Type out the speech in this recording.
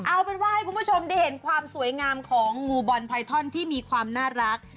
เอาเป็นว่าให้คุณผู้ชมได้เห็นความสวยงามของงูบอลไพทอนที่มีความน่ารัก